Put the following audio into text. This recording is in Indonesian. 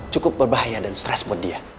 cukup berbahaya dan stres buat dia